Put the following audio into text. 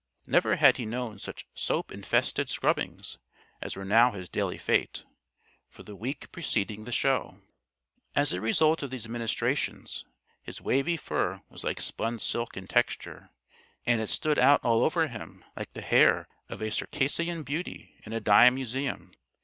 Never had he known such soap infested scrubbings as were now his daily fate, for the week preceding the show. As a result of these ministrations his wavy fur was like spun silk in texture; and it stood out all over him like the hair of a Circassian beauty in a dime museum.